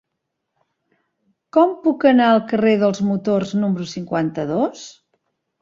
Com puc anar al carrer dels Motors número cinquanta-dos?